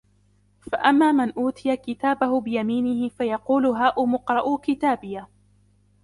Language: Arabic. فَأَمَّا مَنْ أُوتِيَ كِتَابَهُ بِيَمِينِهِ فَيَقُولُ هَاؤُمُ اقْرَءُوا كِتَابِيَهْ